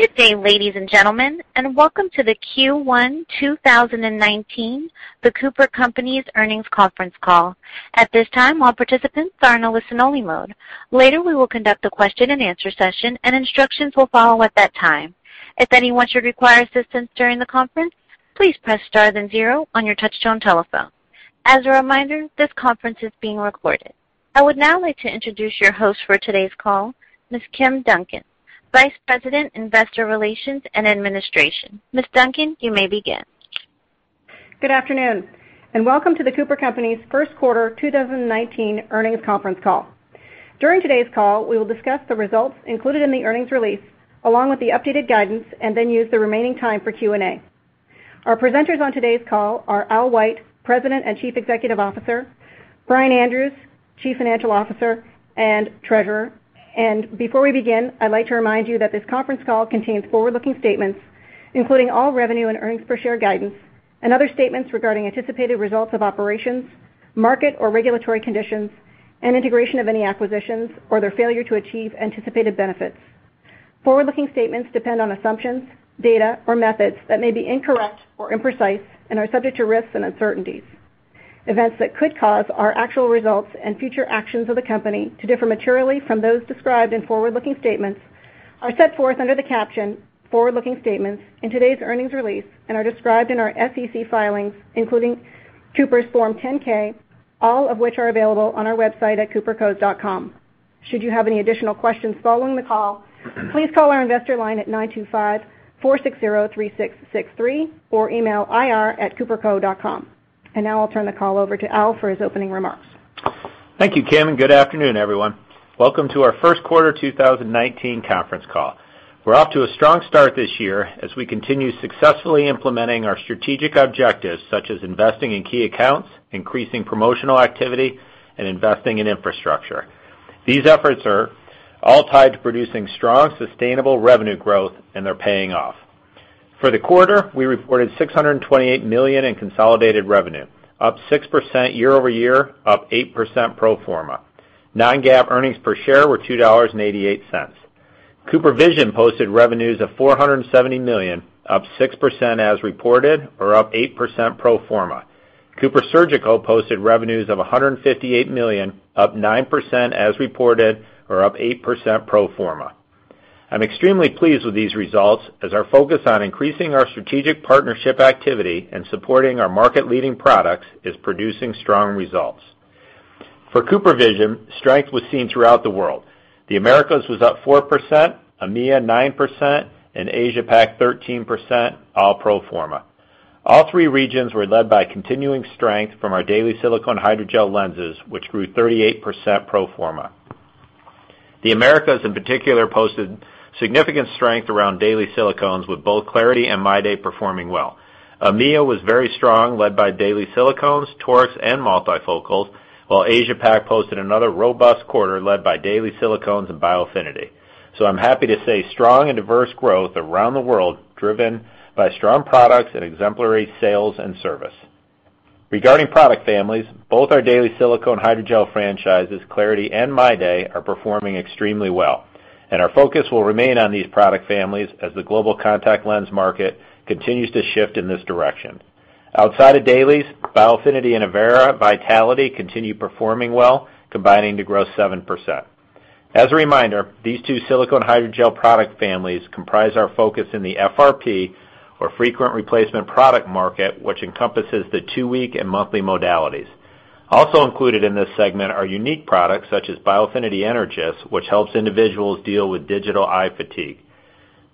Good day, ladies and gentlemen, and welcome to the Q1 2019, The Cooper Companies earnings conference call. At this time, all participants are in a listen-only mode. Later, we will conduct a question-and-answer session, and instructions will follow at that time. If anyone should require assistance during the conference, please press star then zero on your touchtone telephone. As a reminder, this conference is being recorded. I would now like to introduce your host for today's call, Ms. Kim Duncan, Vice President, Investor Relations and Administration. Ms. Duncan, you may begin. Good afternoon, and welcome to The Cooper Companies first quarter 2019 earnings conference call. During today's call, we will discuss the results included in the earnings release, along with the updated guidance, and then use the remaining time for Q&A. Our presenters on today's call are Albert White, President and Chief Executive Officer, Brian Andrews, Chief Financial Officer and Treasurer. Before we begin, I'd like to remind you that this conference call contains forward-looking statements, including all revenue and earnings per share guidance and other statements regarding anticipated results of operations, market or regulatory conditions, and integration of any acquisitions or their failure to achieve anticipated benefits. Forward-looking statements depend on assumptions, data, or methods that may be incorrect or imprecise and are subject to risks and uncertainties. Events that could cause our actual results and future actions of the company to differ materially from those described in forward-looking statements are set forth under the caption forward-looking statements in today's earnings release and are described in our SEC filings, including Cooper's Form 10-K, all of which are available on our website at coopercos.com. Should you have any additional questions following the call, please call our investor line at [925] 460-3663 or email ir@coopercos.com. Now I'll turn the call over to Al for his opening remarks. Thank you, Kim, and good afternoon, everyone. Welcome to our first quarter 2019 conference call. We're off to a strong start this year as we continue successfully implementing our strategic objectives, such as investing in key accounts, increasing promotional activity, and investing in infrastructure. These efforts are all tied to producing strong, sustainable revenue growth, and they're paying off. For the quarter, we reported $628 million in consolidated revenue, up 6% year-over-year, up 8% pro forma. Non-GAAP earnings per share were $2.88. CooperVision posted revenues of $470 million, up 6% as reported or up 8% pro forma. CooperSurgical posted revenues of $158 million, up 9% as reported or up 8% pro forma. I'm extremely pleased with these results as our focus on increasing our strategic partnership activity and supporting our market leading products is producing strong results. For CooperVision, strength was seen throughout the world. The Americas was up 4%, EMEA 9%, and Asia-Pac 13%, all pro forma. All three regions were led by continuing strength from our daily silicone hydrogel lenses, which grew 38% pro forma. The Americas in particular, posted significant strength around daily silicones with both clariti and MyDay performing well. EMEA was very strong, led by daily silicones, torics, and multifocals, while Asia-Pac posted another robust quarter led by daily silicones and Biofinity. I'm happy to say strong and diverse growth around the world, driven by strong products and exemplary sales and service. Regarding product families, both our daily silicone hydrogel franchises, clariti and MyDay, are performing extremely well, and our focus will remain on these product families as the global contact lens market continues to shift in this direction. Outside of dailies, Biofinity and Avaira Vitality continue performing well, combining to grow 7%. As a reminder, these two silicone hydrogel product families comprise our focus in the FRP or frequent replacement product market, which encompasses the two-week and monthly modalities. Also included in this segment are unique products such as Biofinity Energys, which helps individuals deal with digital eye fatigue.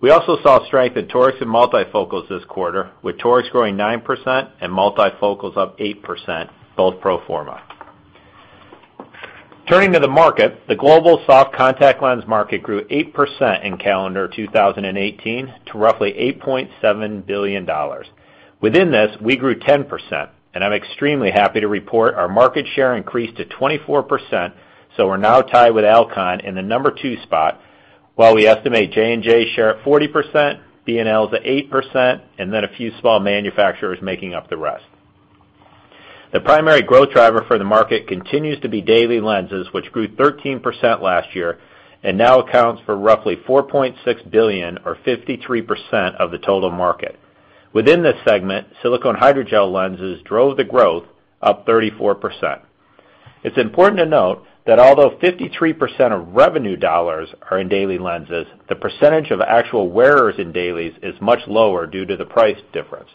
We also saw strength in torics and multifocals this quarter, with torics growing 9% and multifocals up 8%, both pro forma. Turning to the market, the global soft contact lens market grew 8% in calendar 2018 to roughly $8.7 billion. Within this, we grew 10%, and I'm extremely happy to report our market share increased to 24%, so we're now tied with Alcon in the number 2 spot. While we estimate J&J share at 40%, B&L's at 8%, and then a few small manufacturers making up the rest. The primary growth driver for the market continues to be daily lenses, which grew 13% last year and now accounts for roughly $4.6 billion or 53% of the total market. Within this segment, silicone hydrogel lenses drove the growth up 34%. It's important to note that although 53% of revenue dollars are in daily lenses, the percentage of actual wearers in dailies is much lower due to the price difference.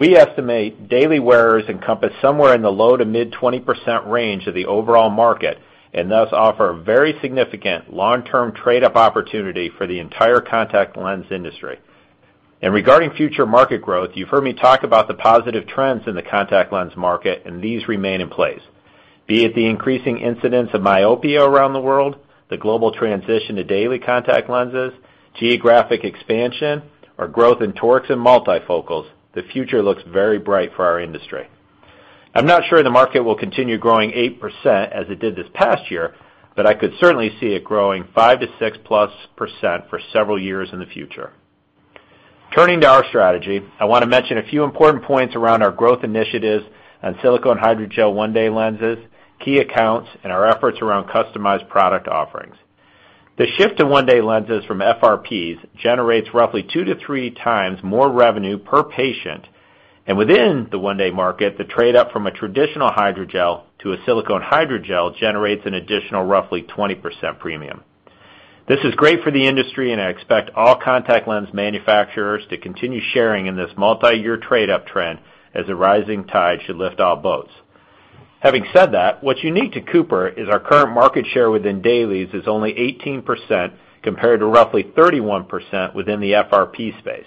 We estimate daily wearers encompass somewhere in the low to mid 20% range of the overall market and thus offer a very significant long-term trade-up opportunity for the entire contact lens industry. Regarding future market growth, you've heard me talk about the positive trends in the contact lens market, and these remain in place. Be it the increasing incidence of myopia around the world, the global transition to daily contact lenses, geographic expansion, or growth in torics and multifocals, the future looks very bright for our industry. I'm not sure the market will continue growing 8% as it did this past year, but I could certainly see it growing 5% to 6%+ for several years in the future. Turning to our strategy, I want to mention a few important points around our growth initiatives on silicone hydrogel one-day lenses, key accounts, and our efforts around customized product offerings. The shift to one-day lenses from FRPs generates roughly 2 to 3 times more revenue per patient. Within the one-day market, the trade-up from a traditional hydrogel to a silicone hydrogel generates an additional roughly 20% premium. This is great for the industry. I expect all contact lens manufacturers to continue sharing in this multi-year trade-up trend, as a rising tide should lift all boats. Having said that, what's unique to Cooper is our current market share within dailies is only 18%, compared to roughly 31% within the FRP space.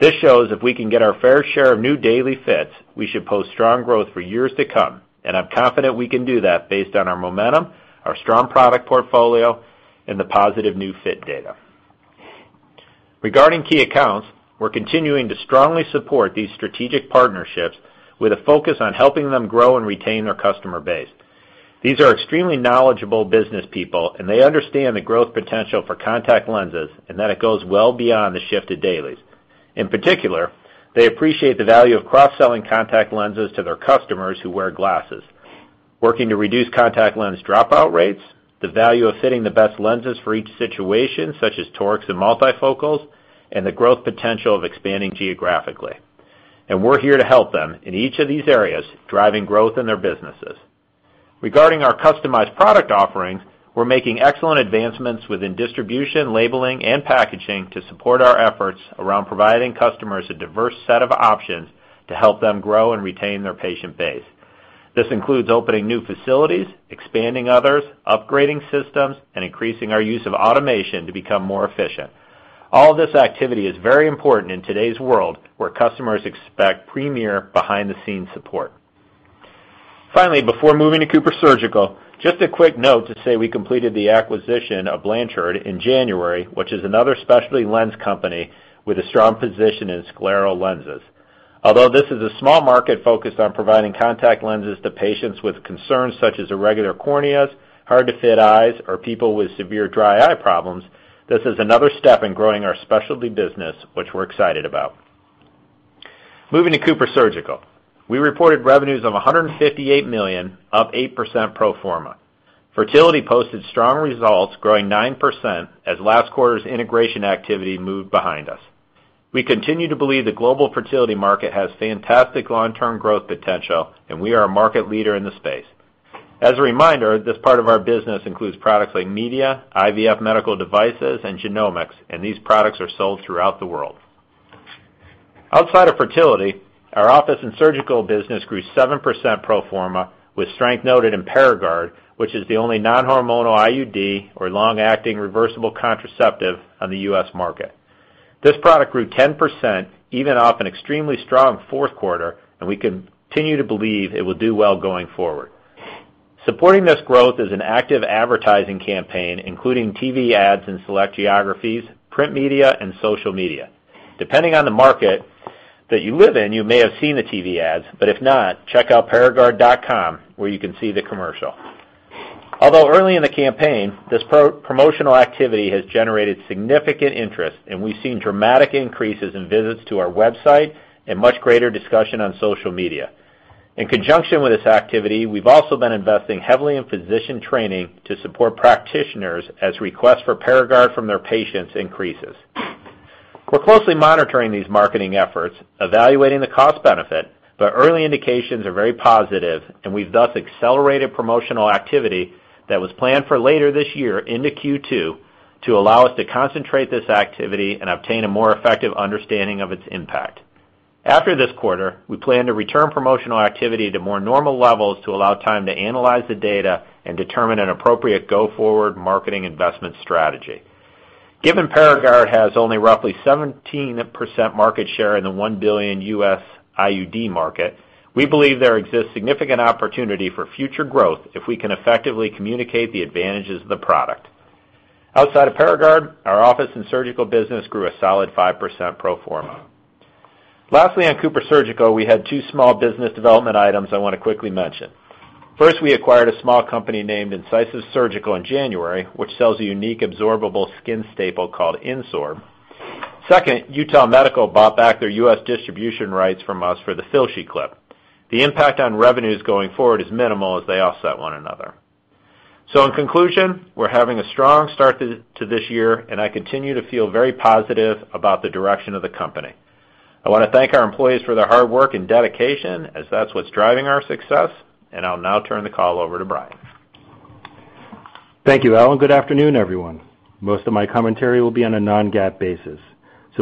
This shows if we can get our fair share of new daily fits, we should post strong growth for years to come. I'm confident we can do that based on our momentum, our strong product portfolio, and the positive new fit data. Regarding key accounts, we're continuing to strongly support these strategic partnerships with a focus on helping them grow and retain their customer base. These are extremely knowledgeable business people. They understand the growth potential for contact lenses and that it goes well beyond the shift to dailies. In particular, they appreciate the value of cross-selling contact lenses to their customers who wear glasses, working to reduce contact lens dropout rates, the value of fitting the best lenses for each situation, such as torics and multifocals, the growth potential of expanding geographically. We're here to help them in each of these areas, driving growth in their businesses. Regarding our customized product offerings, we're making excellent advancements within distribution, labeling, and packaging to support our efforts around providing customers a diverse set of options to help them grow and retain their patient base. This includes opening new facilities, expanding others, upgrading systems, and increasing our use of automation to become more efficient. All this activity is very important in today's world where customers expect premier behind-the-scenes support. Finally, before moving to CooperSurgical, just a quick note to say we completed the acquisition of Blanchard in January, which is another specialty lens company with a strong position in scleral lenses. Although this is a small market focused on providing contact lenses to patients with concerns such as irregular corneas, hard-to-fit eyes, or people with severe dry eye problems, this is another step in growing our specialty business, which we're excited about. Moving to CooperSurgical, we reported revenues of $158 million, up 8% pro forma. Fertility posted strong results, growing 9% as last quarter's integration activity moved behind us. We continue to believe the global fertility market has fantastic long-term growth potential. We are a market leader in the space. As a reminder, this part of our business includes products like media, IVF medical devices, and genomics. These products are sold throughout the world. Outside of fertility, our office and surgical business grew 7% pro forma with strength noted in Paragard, which is the only non-hormonal IUD or long-acting reversible contraceptive on the U.S. market. This product grew 10%, even off an extremely strong fourth quarter. We continue to believe it will do well going forward. Supporting this growth is an active advertising campaign, including TV ads in select geographies, print media, and social media. Depending on the market that you live in, you may have seen the TV ads, if not, check out paragard.com, where you can see the commercial. Although early in the campaign, this promotional activity has generated significant interest. We've seen dramatic increases in visits to our website and much greater discussion on social media. In conjunction with this activity, we've also been investing heavily in physician training to support practitioners as requests for Paragard from their patients increases. We're closely monitoring these marketing efforts, evaluating the cost benefit. Early indications are very positive, we've thus accelerated promotional activity that was planned for later this year into Q2 to allow us to concentrate this activity and obtain a more effective understanding of its impact. After this quarter, we plan to return promotional activity to more normal levels to allow time to analyze the data and determine an appropriate go-forward marketing investment strategy. Given Paragard has only roughly 17% market share in the $1 billion U.S. IUD market, we believe there exists significant opportunity for future growth if we can effectively communicate the advantages of the product. Outside of Paragard, our office and surgical business grew a solid 5% pro forma. Lastly, on CooperSurgical, we had two small business development items I want to quickly mention. First, we acquired a small company named Incisive Surgical in January, which sells a unique absorbable skin staple called INSORB. Second, Utah Medical bought back their U.S. distribution rights from us for the Filshie Clip. The impact on revenues going forward is minimal as they offset one another. In conclusion, we're having a strong start to this year, and I continue to feel very positive about the direction of the company. I want to thank our employees for their hard work and dedication, as that's what's driving our success, and I'll now turn the call over to Brian. Thank you, Al. Good afternoon, everyone. Most of my commentary will be on a non-GAAP basis.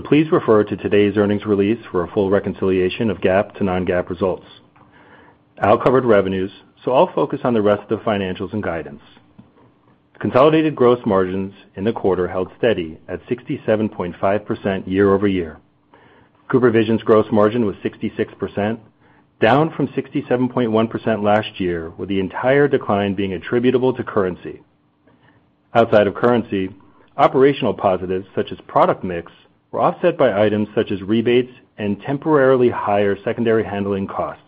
Please refer to today's earnings release for a full reconciliation of GAAP to non-GAAP results. Al covered revenues, I'll focus on the rest of the financials and guidance. Consolidated gross margins in the quarter held steady at 67.5% year-over-year. CooperVision's gross margin was 66%, down from 67.1% last year, with the entire decline being attributable to currency. Outside of currency, operational positives such as product mix were offset by items such as rebates and temporarily higher secondary handling costs.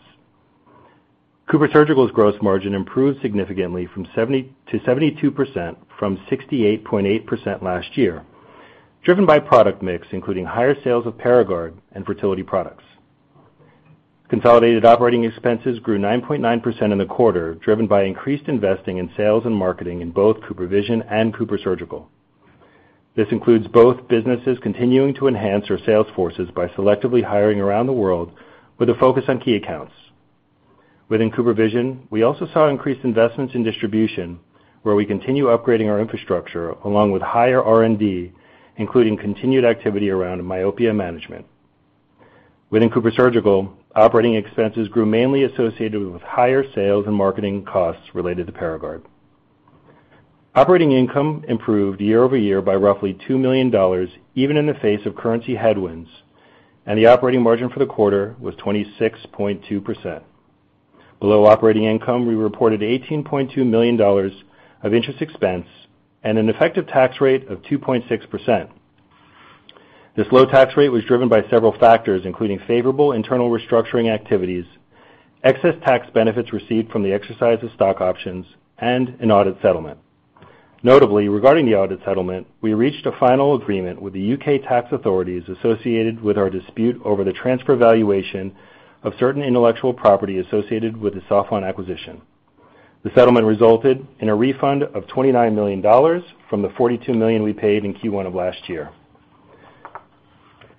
CooperSurgical's gross margin improved significantly to 72% from 68.8% last year, driven by product mix, including higher sales of Paragard and fertility products. Consolidated operating expenses grew 9.9% in the quarter, driven by increased investing in sales and marketing in both CooperVision and CooperSurgical. This includes both businesses continuing to enhance our sales forces by selectively hiring around the world with a focus on key accounts. Within CooperVision, we also saw increased investments in distribution, where we continue upgrading our infrastructure along with higher R&D, including continued activity around myopia management. Within CooperSurgical, operating expenses grew mainly associated with higher sales and marketing costs related to Paragard. Operating income improved year-over-year by roughly $2 million, even in the face of currency headwinds, and the operating margin for the quarter was 26.2%. Below operating income, we reported $18.2 million of interest expense and an effective tax rate of 2.6%. This low tax rate was driven by several factors, including favorable internal restructuring activities, excess tax benefits received from the exercise of stock options, and an audit settlement. Notably, regarding the audit settlement, we reached a final agreement with the U.K. tax authorities associated with our dispute over the transfer valuation of certain intellectual property associated with the Sauflon acquisition. The settlement resulted in a refund of $29 million from the $42 million we paid in Q1 of last year.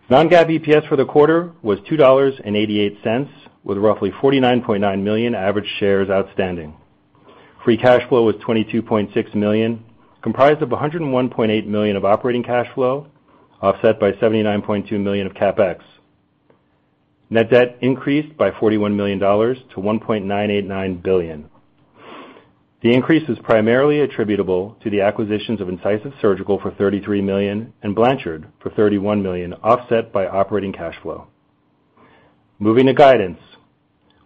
Non-GAAP EPS for the quarter was $2.88, with roughly 49.9 million average shares outstanding. Free cash flow was $22.6 million, comprised of $101.8 million of operating cash flow, offset by $79.2 million of CapEx. Net debt increased by $41 million to $1.989 billion. The increase is primarily attributable to the acquisitions of Incisive Surgical for $33 million and Blanchard for $31 million, offset by operating cash flow. Moving to guidance,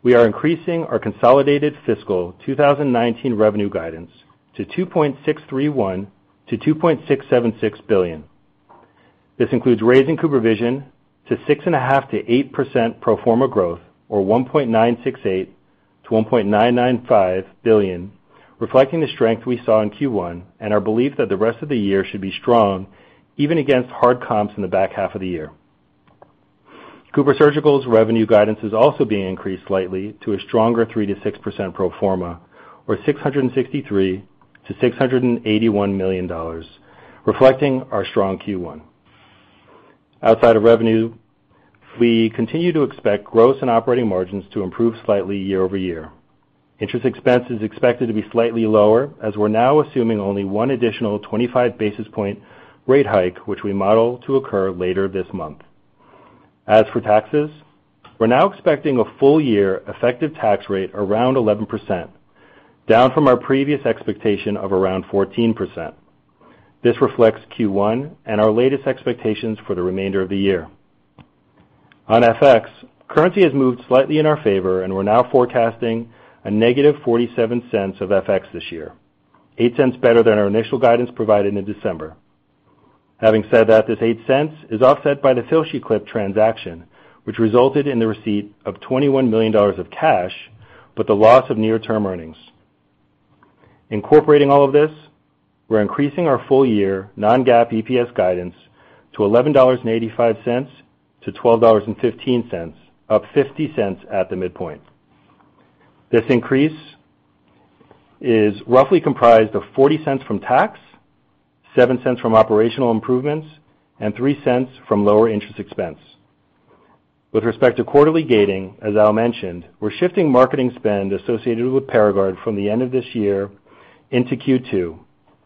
we are increasing our consolidated fiscal 2019 revenue guidance to $2.631 billion-$2.676 billion. This includes raising CooperVision to 6.5%-8% pro forma growth, or $1.968 billion-$1.995 billion, reflecting the strength we saw in Q1 and our belief that the rest of the year should be strong, even against hard comps in the back half of the year. CooperSurgical's revenue guidance is also being increased slightly to a stronger 3%-6% pro forma, or $663 million-$681 million, reflecting our strong Q1. Outside of revenue, we continue to expect gross and operating margins to improve slightly year-over-year. Interest expense is expected to be slightly lower, as we're now assuming only one additional 25 basis point rate hike, which we model to occur later this month. As for taxes, we're now expecting a full year effective tax rate around 11%, down from our previous expectation of around 14%. This reflects Q1 and our latest expectations for the remainder of the year. On FX, currency has moved slightly in our favor, and we're now forecasting a negative -$0.47 of FX this year, $0.08 better than our initial guidance provided in December. Having said that, this $0.08 is offset by the Filshie Clip transaction, which resulted in the receipt of $21 million of cash, but the loss of near-term earnings. Incorporating all of this, we're increasing our full-year non-GAAP EPS guidance to $11.85-$12.15, up $0.50 at the midpoint. This increase is roughly comprised of $0.40 from tax, $0.07 from operational improvements, and $0.03 from lower interest expense. With respect to quarterly gating, as Al mentioned, we're shifting marketing spend associated with Paragard from the end of this year into Q2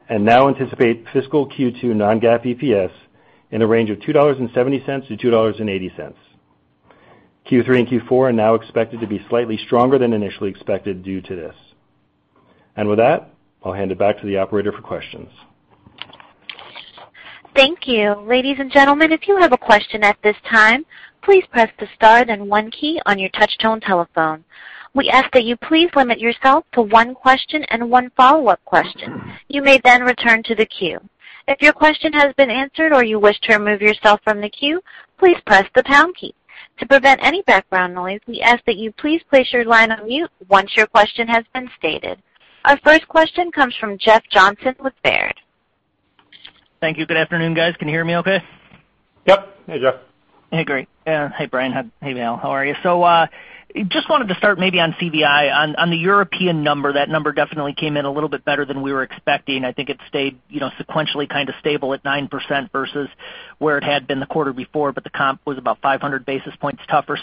and now anticipate fiscal Q2 non-GAAP EPS in a range of $2.70-$2.80. Q3 and Q4 are now expected to be slightly stronger than initially expected due to this. With that, I'll hand it back to the operator for questions. Thank you. Ladies and gentlemen, if you have a question at this time, please press the star then 1 key on your touch-tone telephone. We ask that you please limit yourself to one question and one follow-up question. You may then return to the queue. If your question has been answered or you wish to remove yourself from the queue, please press the pound key. To prevent any background noise, we ask that you please place your line on mute once your question has been stated. Our first question comes from Jeff Johnson with Baird. Thank you. Good afternoon, guys. Can you hear me okay? Yep. Hey, Jeff. Hey, great. Hey, Brian. Hey, Al. How are you? Just wanted to start maybe on CVI on the European number. That number definitely came in a little bit better than we were expecting. I think it stayed sequentially kind of stable at 9% versus where it had been the quarter before, but the comp was about 500 basis points tougher.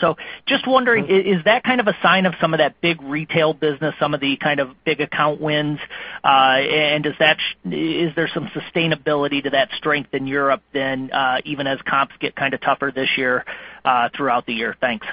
Just wondering, is that kind of a sign of some of that big retail business, some of the kind of big account wins, and is there some sustainability to that strength in Europe then, even as comps get kind of tougher this year throughout the year? Thanks.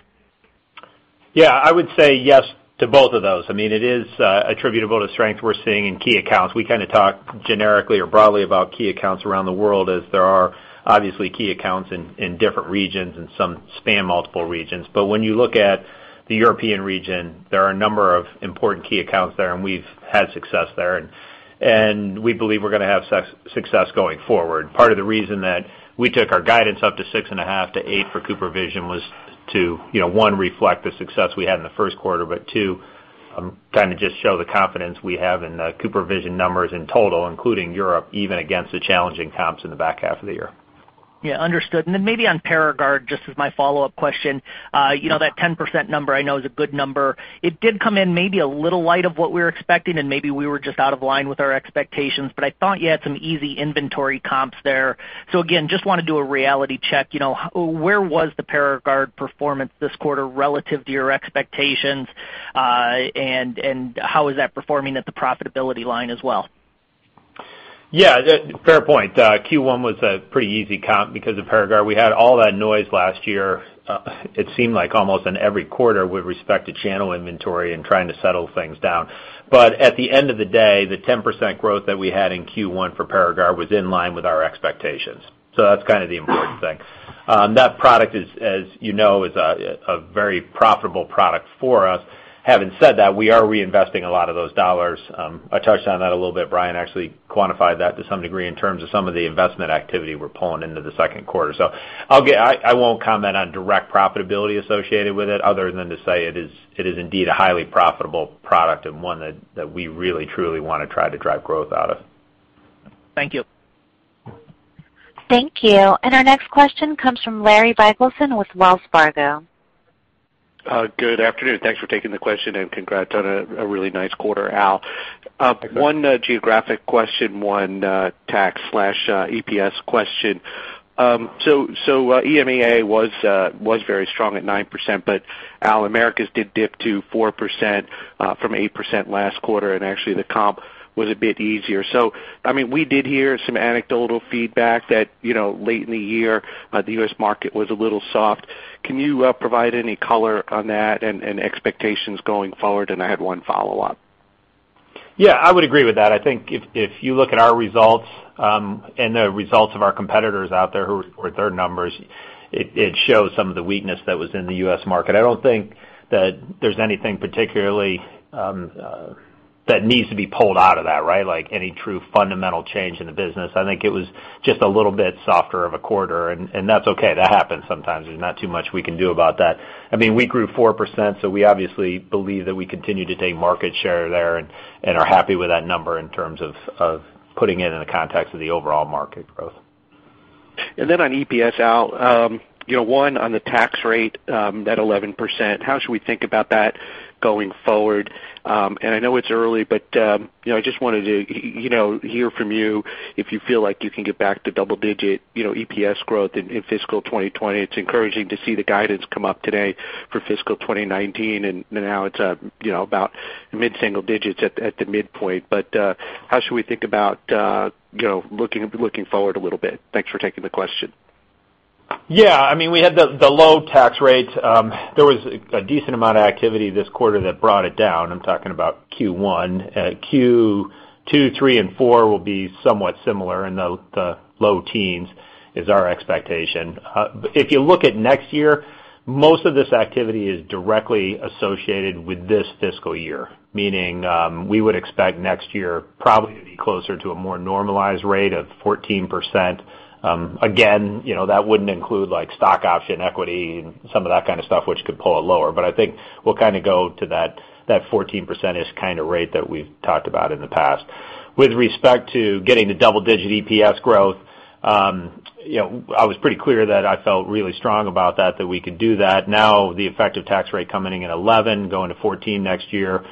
I would say yes to both of those. It is attributable to strength we are seeing in key accounts. We kind of talk generically or broadly about key accounts around the world as there are obviously key accounts in different regions and some span multiple regions. When you look at the European region, there are a number of important key accounts there, and we have had success there, and we believe we are going to have success going forward. Part of the reason that we took our guidance up to 6.5%-8% for CooperVision was to, one, reflect the success we had in the first quarter, but two I am trying to just show the confidence we have in the CooperVision numbers in total, including Europe, even against the challenging comps in the back half of the year. Understood. Then maybe on Paragard, just as my follow-up question. That 10% number I know is a good number. It did come in maybe a little light of what we were expecting, and maybe we were just out of line with our expectations, I thought you had some easy inventory comps there. Again, just want to do a reality check. Where was the Paragard performance this quarter relative to your expectations? How is that performing at the profitability line as well? Fair point. Q1 was a pretty easy comp because of Paragard. We had all that noise last year, it seemed like almost in every quarter with respect to channel inventory and trying to settle things down. At the end of the day, the 10% growth that we had in Q1 for Paragard was in line with our expectations. That is kind of the important thing. That product is, as you know, a very profitable product for us. Having said that, we are reinvesting a lot of those dollars. I touched on that a little bit. Brian actually quantified that to some degree in terms of some of the investment activity we are pulling into the second quarter. I won't comment on direct profitability associated with it other than to say it is indeed a highly profitable product and one that we really truly want to try to drive growth out of. Thank you. Thank you. Our next question comes from Larry Biegelsen with Wells Fargo. Good afternoon. Thanks for taking the question and congrats on a really nice quarter, Al. One geographic question, one tax/EPS question. EMEA was very strong at 9%, but Al, Americas did dip to 4% from 8% last quarter, and actually the comp was a bit easier. We did hear some anecdotal feedback that late in the year, the U.S. market was a little soft. Can you provide any color on that and expectations going forward? I had one follow-up. Yeah, I would agree with that. I think if you look at our results, and the results of our competitors out there who report their numbers, it shows some of the weakness that was in the U.S. market. I don't think that there's anything particularly that needs to be pulled out of that, right? Like any true fundamental change in the business. I think it was just a little bit softer of a quarter, and that's okay. That happens sometimes. There's not too much we can do about that. We grew 4%, so we obviously believe that we continue to take market share there and are happy with that number in terms of putting it in the context of the overall market growth. On EPS, Al. One on the tax rate, that 11%, how should we think about that going forward? I know it's early, but I just wanted to hear from you if you feel like you can get back to double-digit EPS growth in fiscal 2020. It's encouraging to see the guidance come up today for fiscal 2019, and now it's about mid-single digits at the midpoint. How should we think about looking forward a little bit? Thanks for taking the question. Yeah, we had the low tax rates. There was a decent amount of activity this quarter that brought it down. I'm talking about Q1. Q2, three, and four will be somewhat similar in the low teens is our expectation. If you look at next year, most of this activity is directly associated with this fiscal year, meaning we would expect next year probably to be closer to a more normalized rate of 14%. Again, that wouldn't include stock option equity and some of that kind of stuff, which could pull it lower. I think we'll go to that 14%-ish kind of rate that we've talked about in the past. With respect to getting the double-digit EPS growth, I was pretty clear that I felt really strong about that we could do that. Now the effective tax rate coming in at 11%, going to 14% next year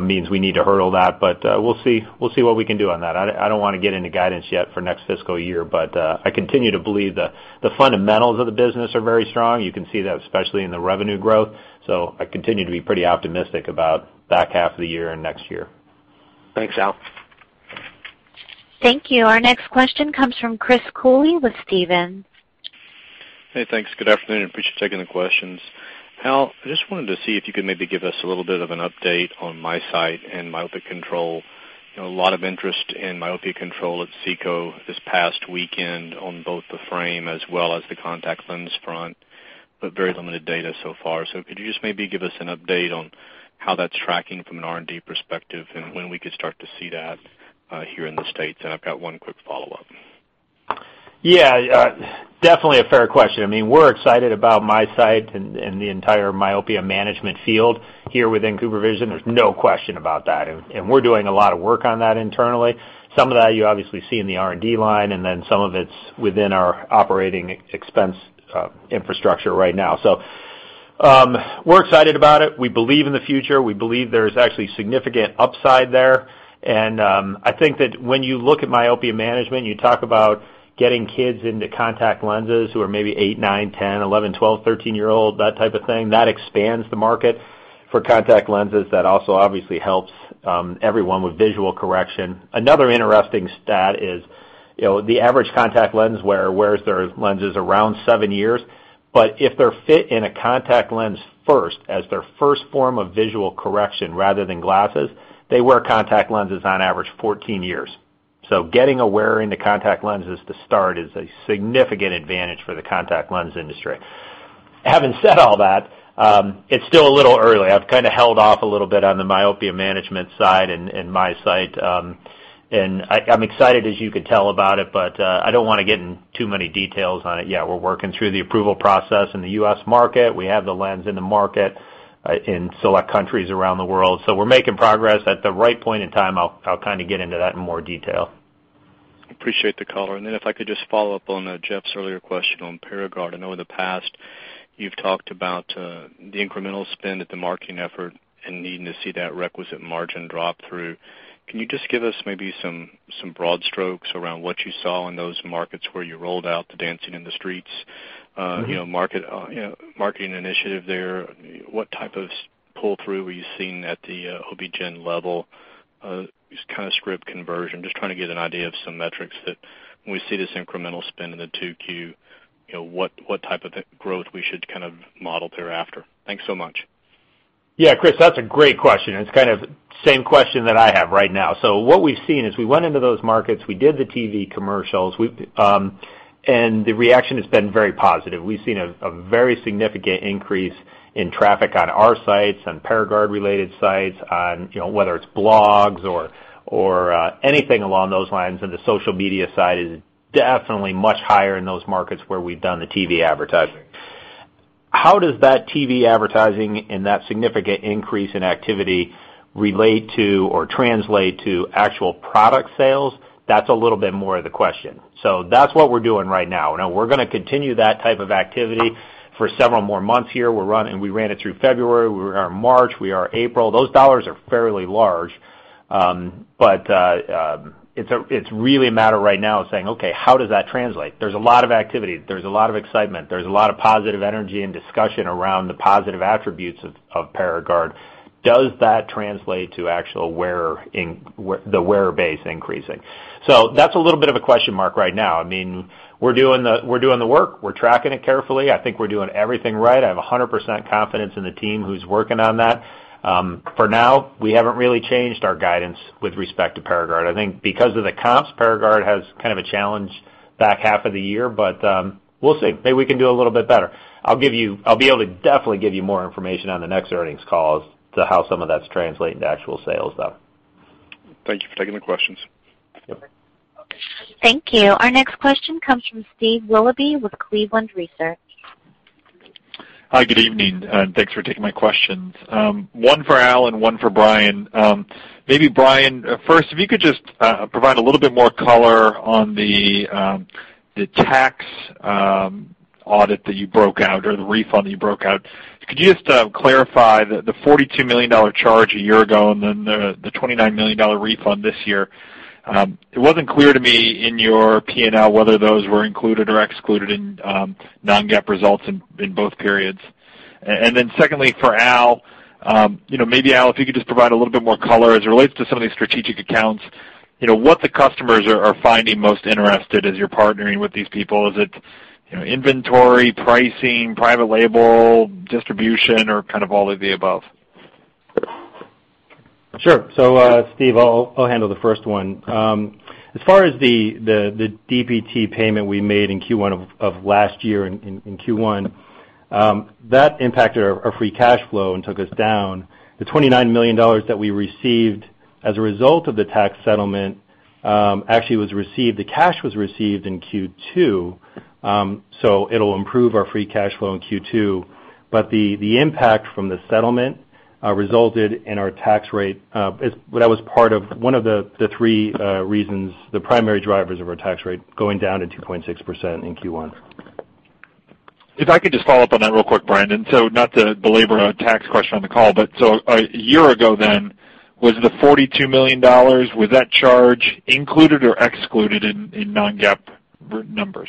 means we need to hurdle that. We'll see what we can do on that. I don't want to get into guidance yet for next fiscal year, but I continue to believe the fundamentals of the business are very strong. You can see that especially in the revenue growth. I continue to be pretty optimistic about back half of the year and next year. Thanks, Al. Thank you. Our next question comes from Chris Cooley with Stephens. Hey, thanks. Good afternoon. Appreciate you taking the questions. Al, I just wanted to see if you could maybe give us a little bit of an update on MiSight and myopia control. A lot of interest in myopia control at SECO this past weekend on both the frame as well as the contact lens front, but very limited data so far. Could you just maybe give us an update on how that's tracking from an R&D perspective and when we could start to see that here in the States? I've got one quick follow-up. Yeah. Definitely a fair question. We're excited about MiSight and the entire myopia management field here within CooperVision. There's no question about that. We're doing a lot of work on that internally. Some of that you obviously see in the R&D line, then some of it's within our operating expense infrastructure right now. We're excited about it. We believe in the future. We believe there's actually significant upside there. I think that when you look at myopia management, you talk about getting kids into contact lenses who are maybe eight, nine, 10, 11, 12, 13 year old, that type of thing. That expands the market for contact lenses. That also obviously helps everyone with visual correction. Another interesting stat is the average contact lens wearer wears their lenses around seven years. If they're fit in a contact lens first as their first form of visual correction rather than glasses, they wear contact lenses on average 14 years. Getting a wearer into contact lenses to start is a significant advantage for the contact lens industry. Having said all that, it's still a little early. I've kind of held off a little bit on the myopia management side and MiSight. I'm excited, as you can tell, about it, but I don't want to get in too many details on it yet. We're working through the approval process in the U.S. market. We have the lens in the market in select countries around the world. We're making progress. At the right point in time, I'll get into that in more detail. Appreciate the color. If I could just follow up on Jeff's earlier question on Paragard. I know in the past you've talked about the incremental spend at the marketing effort and needing to see that requisite margin drop through. Can you just give us maybe some broad strokes around what you saw in those markets where you rolled out the Dancing in the Streets marketing initiative there? What type of pull-through were you seeing at the OB-GYN level? Just kind of script conversion. Just trying to get an idea of some metrics that when we see this incremental spend in the 2Q, what type of growth we should kind of model thereafter. Thanks so much. Yeah, Chris, that's a great question. It's kind of same question that I have right now. What we've seen is we went into those markets, we did the TV commercials, the reaction has been very positive. We've seen a very significant increase in traffic on our sites, on Paragard-related sites, on whether it's blogs or anything along those lines, the social media side is definitely much higher in those markets where we've done the TV advertising. How does that TV advertising and that significant increase in activity relate to or translate to actual product sales? That's a little bit more of the question. That's what we're doing right now. We're going to continue that type of activity for several more months here. We ran it through February, we are March, we are April. Those dollars are fairly large. It's really a matter right now of saying, "Okay, how does that translate?" There's a lot of activity, there's a lot of excitement, there's a lot of positive energy and discussion around the positive attributes of Paragard. Does that translate to actual the wearer base increasing? That's a little bit of a question mark right now. We're doing the work, we're tracking it carefully. I think we're doing everything right. I have 100% confidence in the team who's working on that. For now, we haven't really changed our guidance with respect to Paragard. I think because of the comps, Paragard has kind of a challenge back half of the year, but we'll see. Maybe we can do a little bit better. I'll be able to definitely give you more information on the next earnings call as to how some of that's translating to actual sales, though. Thank you for taking the questions. Yep. Thank you. Our next question comes from Steve Willoughby with Cleveland Research. Hi, good evening. Thanks for taking my questions. One for Al and one for Brian. Maybe Brian first, if you could just provide a little bit more color on the tax audit that you broke out or the refund that you broke out. Could you just clarify the $42 million charge a year ago and then the $29 million refund this year? It wasn't clear to me in your P&L whether those were included or excluded in non-GAAP results in both periods. Secondly, for Al, maybe Al, if you could just provide a little bit more color as it relates to some of these strategic accounts, what the customers are finding most interested as you're partnering with these people. Is it inventory, pricing, private label, distribution, or kind of all of the above? Sure. Steve, I'll handle the first one. As far as the DPT payment we made in Q1 of last year in Q1, that impacted our free cash flow and took us down. The $29 million that we received as a result of the tax settlement actually was received, the cash was received in Q2, so it'll improve our free cash flow in Q2. The impact from the settlement resulted in our tax rate, that was part of one of the three reasons, the primary drivers of our tax rate going down to 2.6% in Q1. If I could just follow up on that real quick, Brian, not to belabor a tax question on the call, a year ago, was the $42 million, was that charge included or excluded in non-GAAP numbers?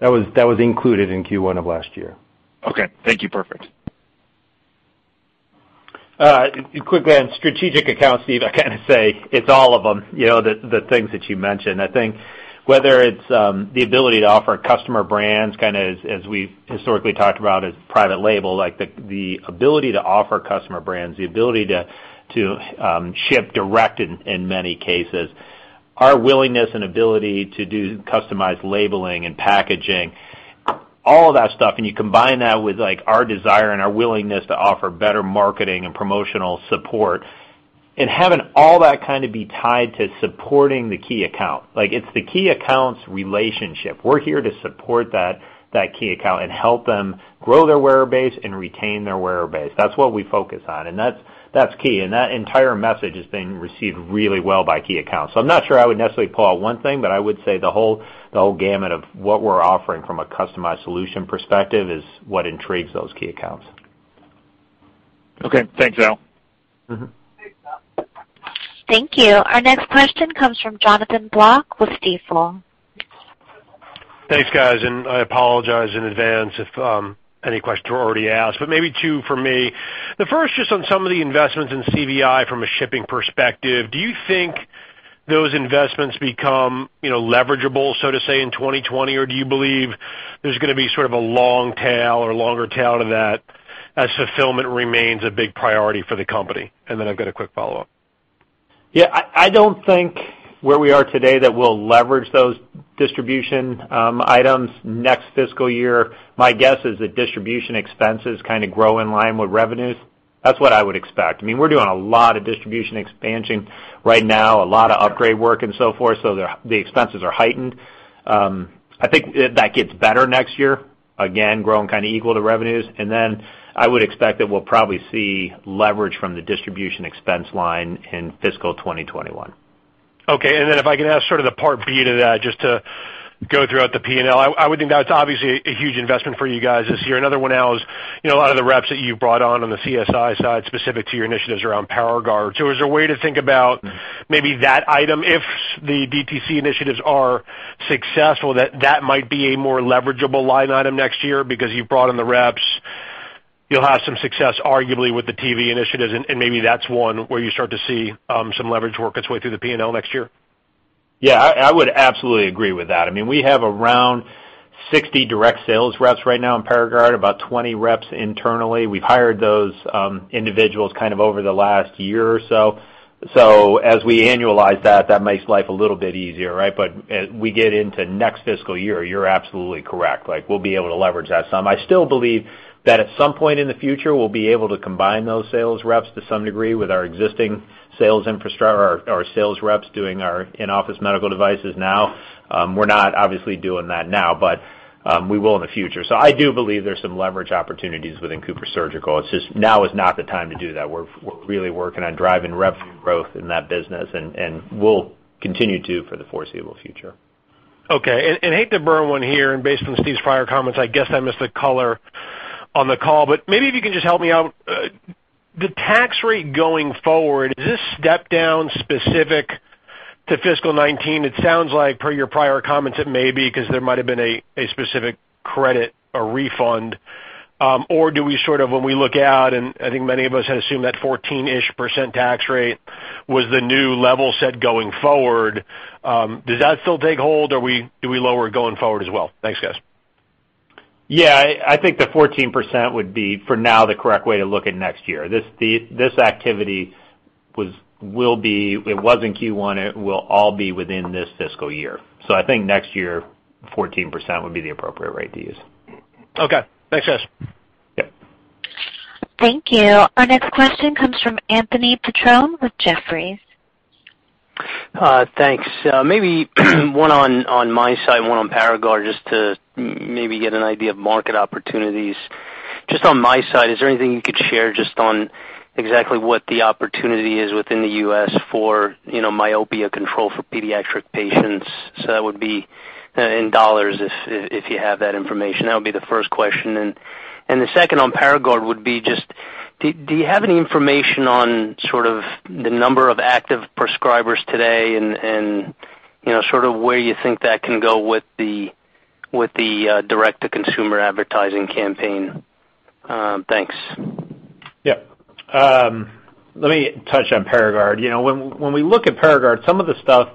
That was included in Q1 of last year. Okay, thank you. Perfect. Quickly on strategic accounts, Steve, I kind of say it's all of them, the things that you mentioned. I think whether it's the ability to offer customer brands, kind of as we've historically talked about as private label, the ability to ship direct in many cases. Our willingness and ability to do customized labeling and packaging, all of that stuff, you combine that with our desire and our willingness to offer better marketing and promotional support and having all that kind of be tied to supporting the key account. Like it's the key account's relationship. We're here to support that key account and help them grow their wearer base and retain their wearer base. That's what we focus on, and that's key. That entire message is being received really well by key accounts. I'm not sure I would necessarily pull out one thing, but I would say the whole gamut of what we're offering from a customized solution perspective is what intrigues those key accounts. Thanks, Al. Thank you. Our next question comes from Jonathan Block with Stifel. Thanks, guys. I apologize in advance if any questions were already asked, but maybe two for me. The first, just on some of the investments in CVI from a shipping perspective, do you think those investments become leverageable, so to say, in 2020? Or do you believe there's going to be sort of a long tail or longer tail to that as fulfillment remains a big priority for the company? I've got a quick follow-up. Yeah, I don't think where we are today that we'll leverage those distribution items next fiscal year. My guess is that distribution expenses kind of grow in line with revenues. That's what I would expect. We're doing a lot of distribution expansion right now, a lot of upgrade work and so forth, so the expenses are heightened. I think that gets better next year. Again, growing kind of equal to revenues. I would expect that we'll probably see leverage from the distribution expense line in fiscal 2021. Okay. If I can ask sort of the part for you to that, just to go throughout the P&L. I would think that's obviously a huge investment for you guys this year. Another one, Al, is a lot of the reps that you've brought on the CSI side specific to your initiatives around Paragard. Is there a way to think about maybe that item, if the DTC initiatives are successful, that that might be a more leverageable line item next year because you've brought on the reps, you'll have some success, arguably, with the TV initiatives, and maybe that's one where you start to see some leverage work its way through the P&L next year? Yeah, I would absolutely agree with that. We have around 60 direct sales reps right now in Paragard, about 20 reps internally. We've hired those individuals kind of over the last year or so. As we annualize that makes life a little bit easier. As we get into next fiscal year, you're absolutely correct. We'll be able to leverage that some. I still believe that at some point in the future, we'll be able to combine those sales reps to some degree with our existing sales reps doing our in-office medical devices now. We're not obviously doing that now, but we will in the future. I do believe there's some leverage opportunities within CooperSurgical. It's just now is not the time to do that. We're really working on driving revenue growth in that business, and we'll continue to for the foreseeable future. Okay. I hate to burn one here, and based on Steve's prior comments, I guess I missed the color on the call, but maybe if you can just help me out. The tax rate going forward, is this step down specific to fiscal 2019? It sounds like per your prior comments, it may be because there might have been a specific credit or refund. Do we sort of when we look out, and I think many of us had assumed that 14-ish % tax rate was the new level set going forward. Does that still take hold, or do we lower it going forward as well? Thanks, guys. I think the 14% would be, for now, the correct way to look at next year. This activity it was in Q1, it will all be within this fiscal year. I think next year, 14% would be the appropriate rate to use. Okay. Thanks, guys. Yep. Thank you. Our next question comes from Anthony Petrone with Jefferies. Thanks. Maybe one on MiSight, one on Paragard, just to maybe get an idea of market opportunities. Just on MiSight, is there anything you could share just on exactly what the opportunity is within the U.S. for myopia management for pediatric patients? That would be in dollars if you have that information. That would be the first question. The second on Paragard would be just, do you have any information on sort of the number of active prescribers today and sort of where you think that can go with the direct-to-consumer advertising campaign? Thanks. Yep. Let me touch on Paragard. When we look at Paragard, some of the stuff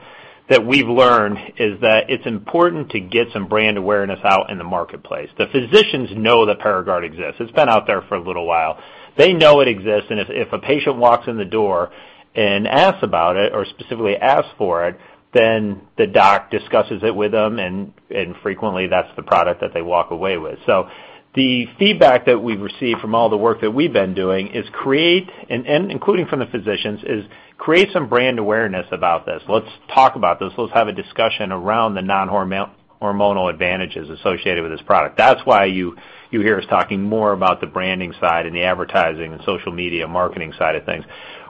that we've learned is that it's important to get some brand awareness out in the marketplace. The physicians know that Paragard exists. It's been out there for a little while. They know it exists, and if a patient walks in the door and asks about it or specifically asks for it, then the doc discusses it with them, and frequently, that's the product that they walk away with. The feedback that we've received from all the work that we've been doing, and including from the physicians, is create some brand awareness about this. Let's talk about this. Let's have a discussion around the non-hormonal advantages associated with this product. That's why you hear us talking more about the branding side and the advertising and social media marketing side of things.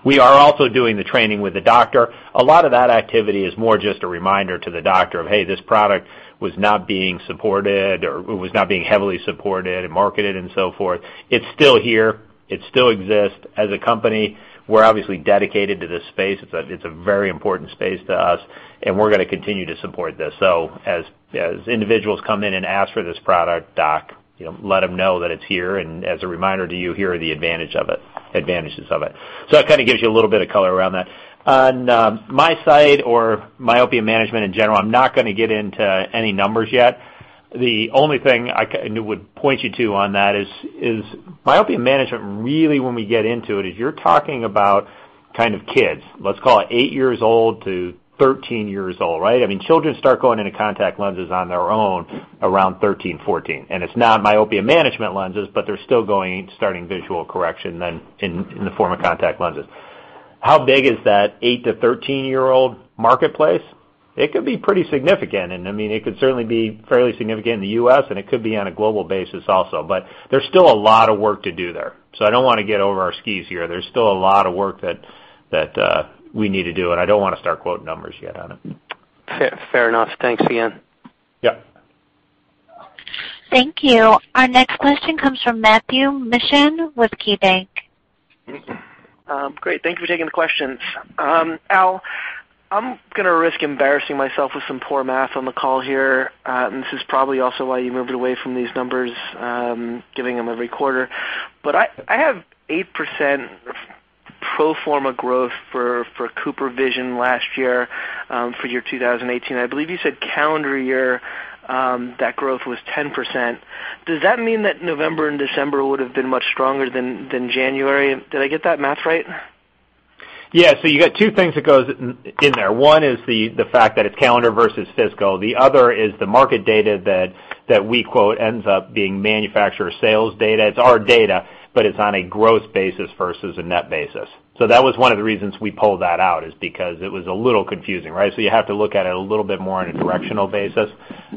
We are also doing the training with the doctor. A lot of that activity is more just a reminder to the doctor of, hey, this product was not being supported or was not being heavily supported and marketed and so forth. It's still here. It still exists. As a company, we're obviously dedicated to this space. It's a very important space to us, and we're going to continue to support this. As individuals come in and ask for this product, doc, let them know that it's here, and as a reminder to you, here are the advantages of it. That kind of gives you a little bit of color around that. On MiSight or myopia management in general, I'm not going to get into any numbers yet. The only thing I would point you to on that is myopia management really when we get into it is you're talking about kind of kids. Let's call it eight years old to 13 years old. I mean, children start going into contact lenses on their own around 13, 14. It's not myopia management lenses, but they're still going into starting visual correction then in the form of contact lenses. How big is that 8 to 13-year-old marketplace? It could be pretty significant. I mean, it could certainly be fairly significant in the U.S., and it could be on a global basis also. There's still a lot of work to do there. I don't want to get over our skis here. There's still a lot of work that we need to do, and I don't want to start quoting numbers yet on it. Fair enough. Thanks again. Yep. Thank you. Our next question comes from Matthew Mishan with KeyBank. Great. Thank you for taking the questions. Al, I'm going to risk embarrassing myself with some poor math on the call here. This is probably also why you moved away from these numbers, giving them every quarter. I have 8% pro forma growth for CooperVision last year, for year 2018. I believe you said calendar year, that growth was 10%. Does that mean that November and December would have been much stronger than January? Did I get that math right? Yeah. You got two things that goes in there. One is the fact that it's calendar versus fiscal. The other is the market data that we quote ends up being manufacturer sales data. It's our data, but it's on a gross basis versus a net basis. That was one of the reasons we pulled that out is because it was a little confusing. You have to look at it a little bit more on a directional basis.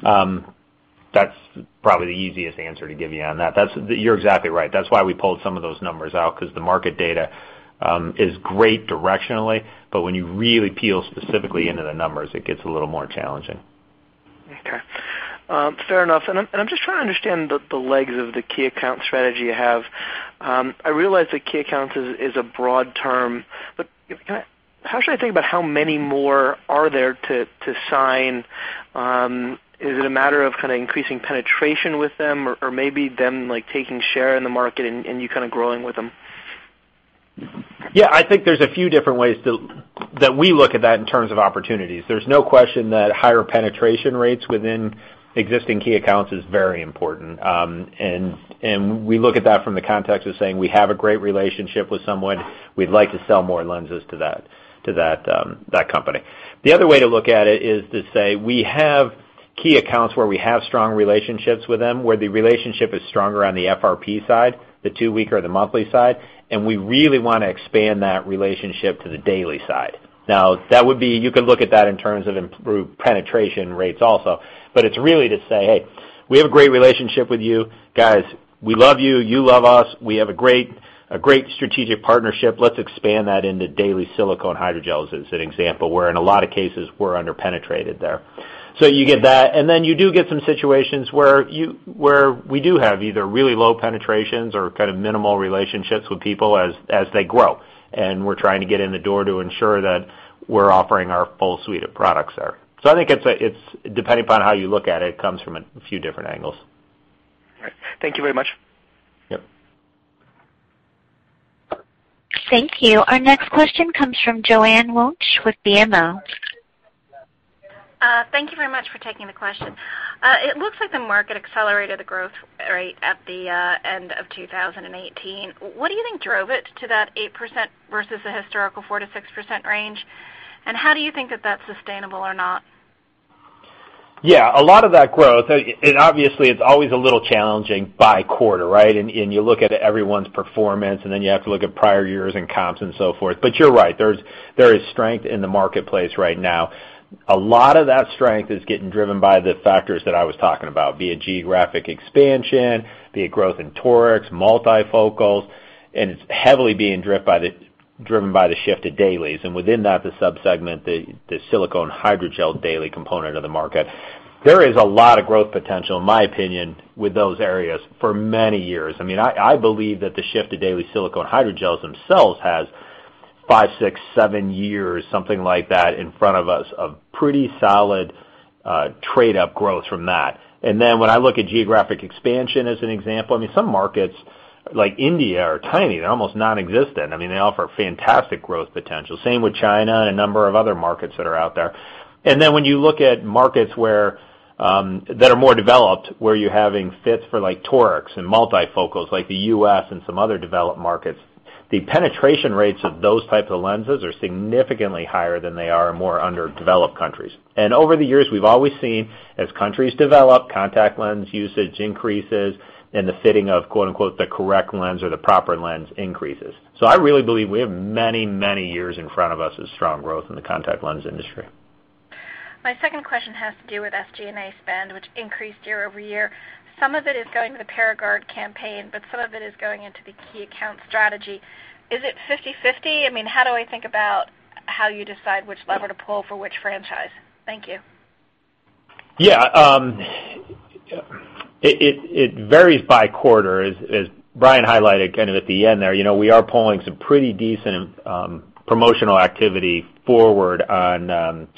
That's probably the easiest answer to give you on that. You're exactly right. That's why we pulled some of those numbers out, because the market data is great directionally, but when you really peel specifically into the numbers, it gets a little more challenging. Okay. Fair enough. I'm just trying to understand the legs of the key account strategy you have. I realize that key accounts is a broad term, how should I think about how many more are there to sign? Is it a matter of kind of increasing penetration with them or maybe them taking share in the market and you kind of growing with them? I think there's a few different ways that we look at that in terms of opportunities. There's no question that higher penetration rates within existing key accounts is very important. We look at that from the context of saying, we have a great relationship with someone. We'd like to sell more lenses to that company. The other way to look at it is to say, we have key accounts where we have strong relationships with them, where the relationship is stronger on the FRP side, the 2-week or the monthly side, and we really want to expand that relationship to the daily side. You could look at that in terms of improved penetration rates also. It's really to say, "Hey, we have a great relationship with you guys. We love you. You love us. We have a great strategic partnership. Let's expand that into daily silicone hydrogels," as an example, where in a lot of cases we're under-penetrated there. You get that, then you do get some situations where we do have either really low penetrations or kind of minimal relationships with people as they grow, and we're trying to get in the door to ensure that we're offering our full suite of products there. I think depending upon how you look at it comes from a few different angles. All right. Thank you very much. Yep. Thank you. Our next question comes from Joanne Wuensch with BMO. Thank you very much for taking the question. It looks like the market accelerated the growth rate at the end of 2018. What do you think drove it to that 8% versus the historical 4%-6% range? How do you think that that's sustainable or not? Yeah. A lot of that growth, obviously, it's always a little challenging by quarter, right? You look at everyone's performance, then you have to look at prior years and comps and so forth. You're right, there is strength in the marketplace right now. A lot of that strength is getting driven by the factors that I was talking about, be it geographic expansion, be it growth in torics, multifocals, it's heavily being driven by the shift to dailies, within that, the sub-segment, the silicone hydrogel daily component of the market. There is a lot of growth potential, in my opinion, with those areas for many years. I believe that the shift to daily silicone hydrogels themselves has five, six, seven years, something like that, in front of us of pretty solid trade-up growth from that. When I look at geographic expansion as an example, some markets like India are tiny. They're almost non-existent. They offer fantastic growth potential. Same with China and a number of other markets that are out there. When you look at markets that are more developed, where you're having fits for torics and multifocals like the U.S. and some other developed markets, the penetration rates of those types of lenses are significantly higher than they are in more underdeveloped countries. Over the years, we've always seen as countries develop, contact lens usage increases and the fitting of "the correct lens" or the proper lens increases. I really believe we have many years in front of us of strong growth in the contact lens industry. My second question has to do with SG&A spend, which increased year-over-year. Some of it is going to the Paragard campaign, some of it is going into the key account strategy. Is it 50/50? How do I think about how you decide which lever to pull for which franchise? Thank you. Yeah. It varies by quarter. As Brian highlighted kind of at the end there, we are pulling some pretty decent promotional activity forward on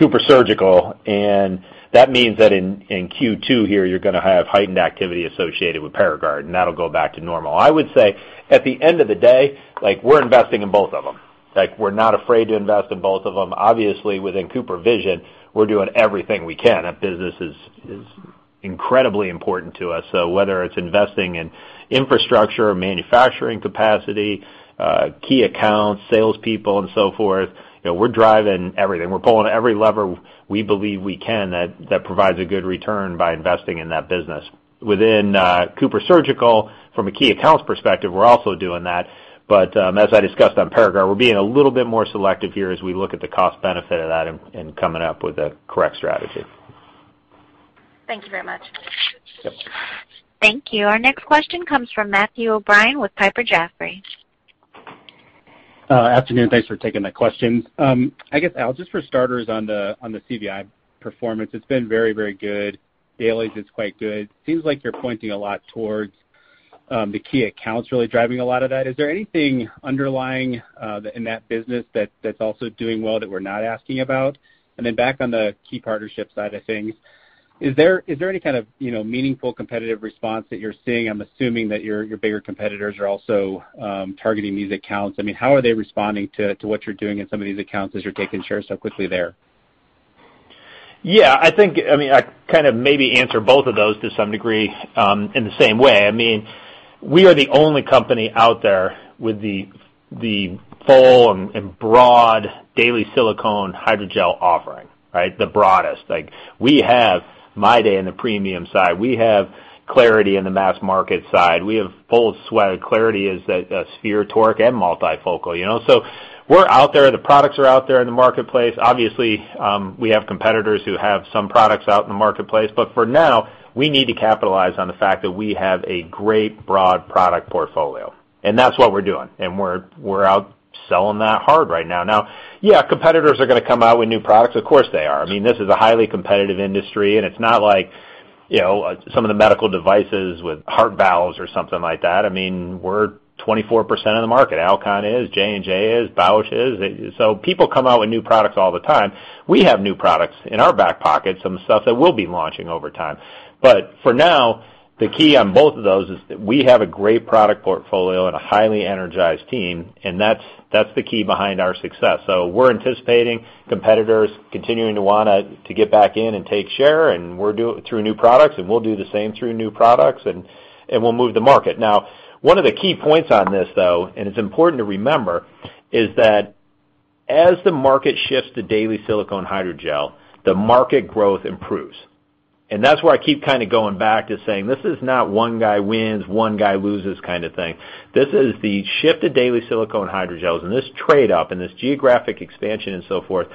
CooperSurgical. That means that in Q2 here, you're going to have heightened activity associated with Paragard. That'll go back to normal. I would say at the end of the day, we're investing in both of them. We're not afraid to invest in both of them. Obviously within CooperVision, we're doing everything we can. That business is incredibly important to us. Whether it's investing in infrastructure, manufacturing capacity, key accounts, salespeople, and so forth, we're driving everything. We're pulling every lever we believe we can that provides a good return by investing in that business. Within CooperSurgical, from a key accounts perspective, we're also doing that. As I discussed on Paragard, we're being a little bit more selective here as we look at the cost benefit of that and coming up with the correct strategy. Thank you very much. Yep. Thank you. Our next question comes from Matthew O'Brien with Piper Jaffray. Afternoon. Thanks for taking the questions. I guess, Al, just for starters on the CVI performance, it's been very good. Dailies is quite good. Seems like you're pointing a lot towards the key accounts really driving a lot of that. Is there anything underlying in that business that's also doing well that we're not asking about? Back on the key partnership side of things, is there any kind of meaningful competitive response that you're seeing? I'm assuming that your bigger competitors are also targeting these accounts. How are they responding to what you're doing in some of these accounts as you're taking shares so quickly there? I kind of maybe answer both of those to some degree in the same way. We are the only company out there with the full and broad daily silicone hydrogel offering, right? The broadest. We have MyDay in the premium side. We have clariti in the mass market side. We have full suite of clariti as a sphere toric and multifocal. We're out there. The products are out there in the marketplace. Obviously, we have competitors who have some products out in the marketplace, but for now, we need to capitalize on the fact that we have a great broad product portfolio, and that's what we're doing, and we're out selling that hard right now. Competitors are going to come out with new products. Of course they are. This is a highly competitive industry. We're 24% of the market. Alcon is, J&J is, Bausch is. People come out with new products all the time. We have new products in our back pocket, some stuff that we'll be launching over time. For now, the key on both of those is that we have a great product portfolio and a highly energized team, and that's the key behind our success. We're anticipating competitors continuing to want to get back in and take share, and we're doing it through new products, and we'll do the same through new products, and we'll move the market. One of the key points on this, though, and it's important to remember, is that as the market shifts to daily silicone hydrogel, the market growth improves. That's why I keep kind of going back to saying, this is not one guy wins, one guy loses kind of thing. This is the shift to daily silicone hydrogels, and this trade up and this geographic expansion and so forth,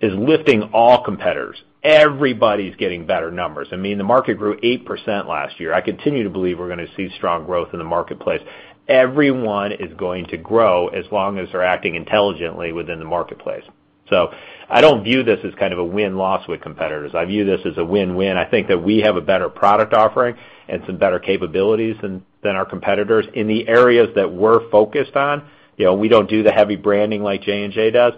is lifting all competitors. Everybody's getting better numbers. The market grew 8% last year. I continue to believe we're going to see strong growth in the marketplace. Everyone is going to grow as long as they're acting intelligently within the marketplace. I don't view this as kind of a win-loss with competitors. I view this as a win-win. I think that we have a better product offering and some better capabilities than our competitors in the areas that we're focused on. We don't do the heavy branding like J&J does.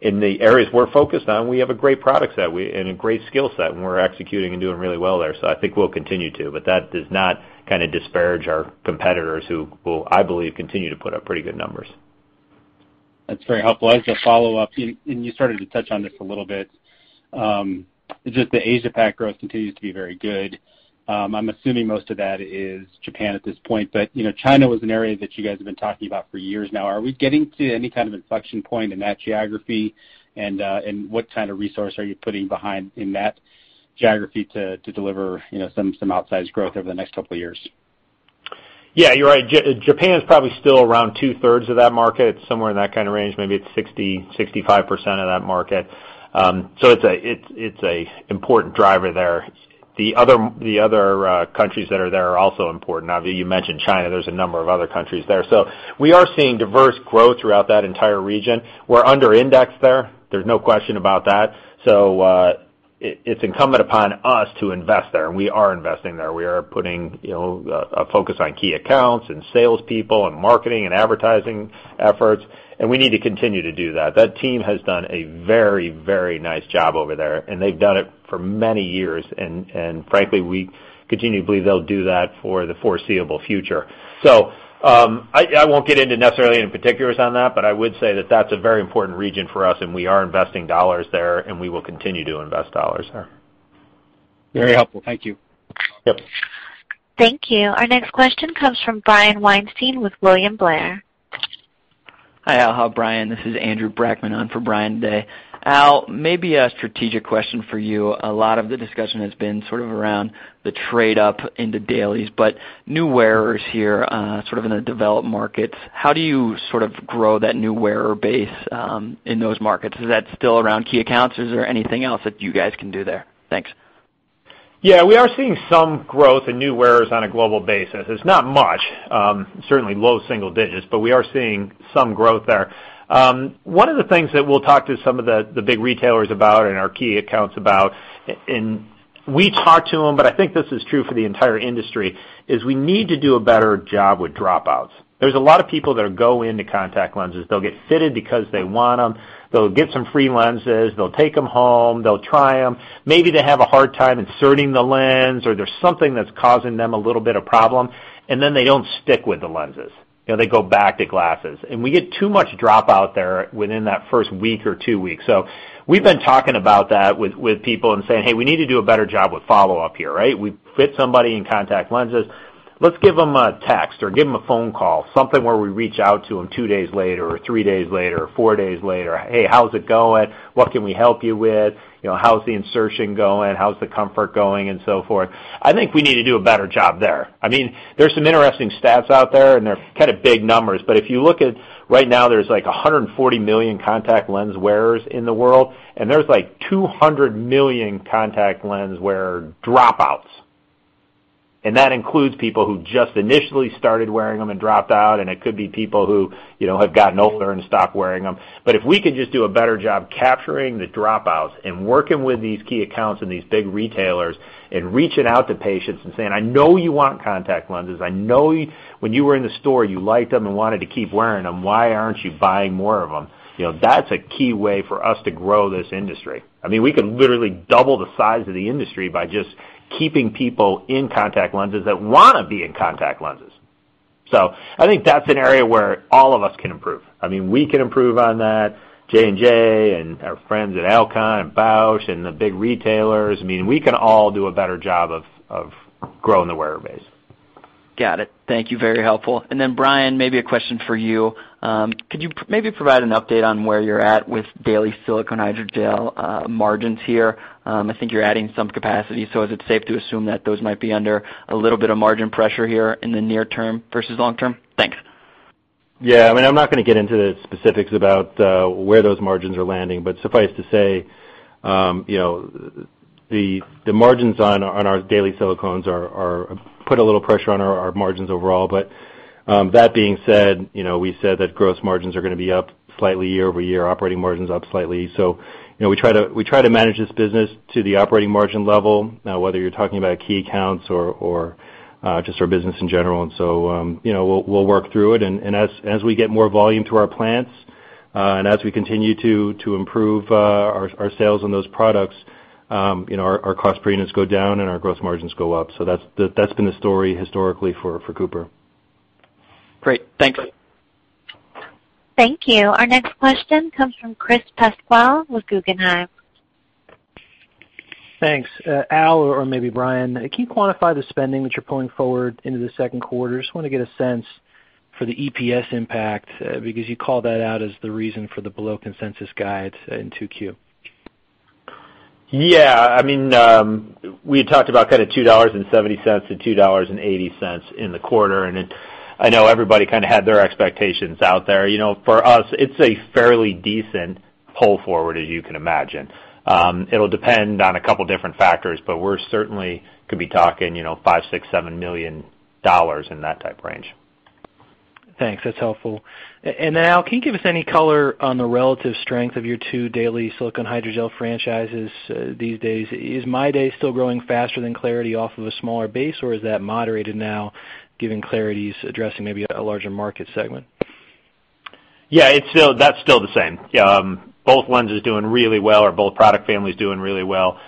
In the areas we're focused on, we have a great product set and a great skill set, and we're executing and doing really well there. I think we'll continue to. That does not kind of disparage our competitors who will, I believe, continue to put up pretty good numbers. That's very helpful. As a follow-up, you started to touch on this a little bit. The Asia Pac growth continues to be very good. I'm assuming most of that is Japan at this point. China was an area that you guys have been talking about for years now. Are we getting to any kind of inflection point in that geography? What kind of resource are you putting behind in that geography to deliver some outsized growth over the next couple of years? You're right. Japan is probably still around two-thirds of that market. It's somewhere in that kind of range. Maybe it's 60%-65% of that market. It's an important driver there. The other countries that are there are also important. You mentioned China. There's a number of other countries there. We are seeing diverse growth throughout that entire region. We're under indexed there. There's no question about that. It's incumbent upon us to invest there, we are investing there. We are putting a focus on key accounts and salespeople and marketing and advertising efforts, we need to continue to do that. That team has done a very nice job over there, they've done it for many years, frankly, we continue to believe they'll do that for the foreseeable future. I won't get into necessarily any particulars on that, I would say that that's a very important region for us, we are investing dollars there, we will continue to invest dollars there. Very helpful. Thank you. Yep. Thank you. Our next question comes from Brian Weinstein with William Blair. Hi, Al. Brian, this is Andrew Brackmann on for Brian today. Al, maybe a strategic question for you. A lot of the discussion has been sort of around the trade up into dailies, but new wearers here sort of in the developed markets, how do you sort of grow that new wearer base in those markets? Is that still around key accounts? Is there anything else that you guys can do there? Thanks. Yeah, we are seeing some growth in new wearers on a global basis. It's not much, certainly low single digits, but we are seeing some growth there. One of the things that we'll talk to some of the big retailers about and our key accounts about, and we talk to them, but I think this is true for the entire industry, is we need to do a better job with dropouts. There's a lot of people that go into contact lenses. They'll get fitted because they want them. They'll get some free lenses. They'll take them home. They'll try them. Maybe they have a hard time inserting the lens, or there's something that's causing them a little bit of problem, and then they don't stick with the lenses. They go back to glasses, and we get too much dropout there within that first week or two weeks. We've been talking about that with people and saying, "Hey, we need to do a better job with follow-up here." We fit somebody in contact lenses. Let's give them a text or give them a phone call, something where we reach out to them two days later or three days later or four days later. "Hey, how's it going? What can we help you with? How's the insertion going? How's the comfort going?" and so forth. I think we need to do a better job there. There's some interesting stats out there, and they're kind of big numbers, but if you look at right now, there's like 140 million contact lens wearers in the world, and there's like 200 million contact lens wearer dropouts, and that includes people who just initially started wearing them and dropped out, and it could be people who have gotten older and stopped wearing them. If we could just do a better job capturing the dropouts and working with these key accounts and these big retailers and reaching out to patients and saying, "I know you want contact lenses. I know when you were in the store, you liked them and wanted to keep wearing them. Why aren't you buying more of them?" That's a key way for us to grow this industry. We can literally double the size of the industry by just keeping people in contact lenses that want to be in contact lenses. I think that's an area where all of us can improve. We can improve on that, J&J and our friends at Alcon and Bausch and the big retailers. We can all do a better job of growing the wearer base. Got it. Thank you. Very helpful. Then Brian, maybe a question for you. Could you maybe provide an update on where you're at with daily silicone hydrogel margins here? I think you're adding some capacity. Is it safe to assume that those might be under a little bit of margin pressure here in the near term versus long term? Thanks. I'm not going to get into the specifics about where those margins are landing. Suffice to say the margins on our daily silicones put a little pressure on our margins overall. That being said, we said that gross margins are going to be up slightly year-over-year, operating margins up slightly. We try to manage this business to the operating margin level, now whether you're talking about key accounts or just our business in general. We'll work through it. As we get more volume to our plants, and as we continue to improve our sales on those products, our cost per units go down and our gross margins go up. That's been the story historically for Cooper. Great. Thanks. Thank you. Our next question comes from Chris Pasquale with Guggenheim. Thanks. Al or maybe Brian, can you quantify the spending that you're pulling forward into the second quarter? Just want to get a sense for the EPS impact, because you called that out as the reason for the below-consensus guides in 2Q. Yeah. We had talked about kind of $2.70-$2.80 in the quarter, and I know everybody kind of had their expectations out there. For us, it's a fairly decent pull forward, as you can imagine. It'll depend on a couple different factors, but we're certainly could be talking $5 million, $6 million, $7 million in that type range. Thanks. Al, can you give us any color on the relative strength of your two daily silicone hydrogel franchises these days? Is MyDay still growing faster than clariti off of a smaller base, or is that moderated now, given clariti's addressing maybe a larger market segment? Yeah, that's still the same. Both lenses doing really well, or both product families doing really well.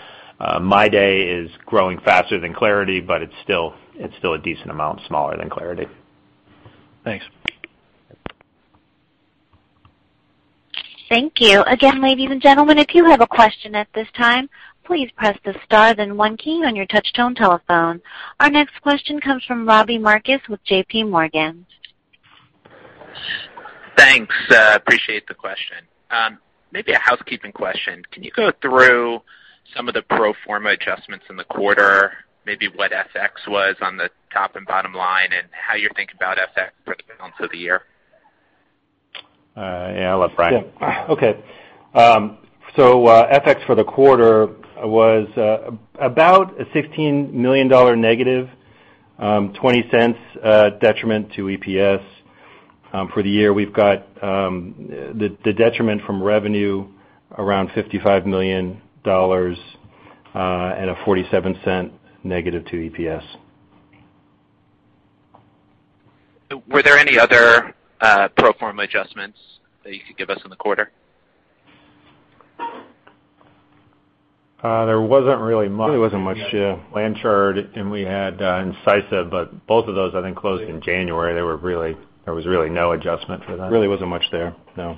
MyDay is growing faster than clariti, but it's still a decent amount smaller than clariti. Thanks. Thank you. Again, ladies and gentlemen, if you have a question at this time, please press the star then one key on your touch tone telephone. Our next question comes from Robbie Marcus with JPMorgan. Thanks. Appreciate the question. Maybe a housekeeping question. Can you go through some of the pro forma adjustments in the quarter, maybe what FX was on the top and bottom line, and how you are thinking about FX for the balance of the year? Yeah, I'll let Brian- Yeah. Okay. FX for the quarter was about a $16 million negative, $0.20 detriment to EPS. For the year, we've got the detriment from revenue around $55 million, and a $0.47 negative to EPS. Were there any other pro forma adjustments that you could give us in the quarter? There wasn't really much. Really wasn't much. We had Blanchard and we had Incisive, both of those, I think, closed in January. There was really no adjustment for that. Really wasn't much there, no.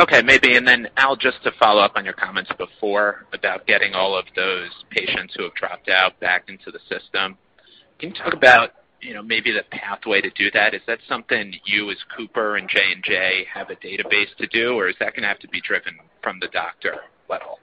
Okay, maybe. Al, just to follow up on your comments before about getting all of those patients who have dropped out back into the system. Can you talk about maybe the pathway to do that? Is that something you as Cooper and J&J have a database to do, or is that going to have to be driven from the doctor level?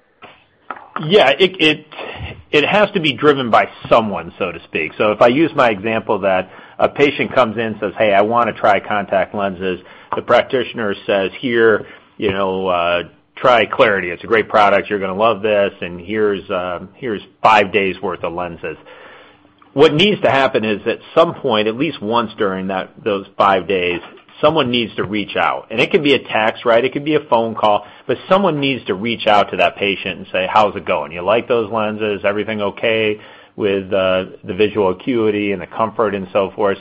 Yeah. It has to be driven by someone, so to speak. If I use my example that a patient comes in and says, "Hey, I want to try contact lenses." The practitioner says, "Here, try clariti. It's a great product. You're going to love this, and here's five days worth of lenses." What needs to happen is at some point, at least once during those five days, someone needs to reach out. It could be a text, it could be a phone call. Someone needs to reach out to that patient and say, "How's it going? You like those lenses? Everything okay with the visual acuity and the comfort and so forth?"